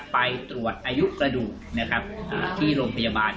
ไปตรวจอายุกระดูกที่โรงพยาบาล